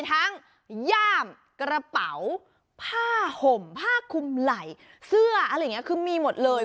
ทั้งย่ามกระเป๋าผ้าห่มผ้าคุมไหลเสื้อคือมีหมดเลย